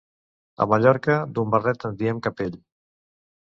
A Mallorca d'un barret en diem capell.